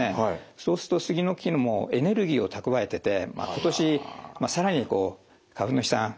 そうするとスギの木もエネルギーを蓄えてて今年更にこう花粉の飛散